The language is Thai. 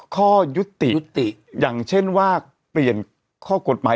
ข้อยุติยุติอย่างเช่นว่าเปลี่ยนข้อกฎหมาย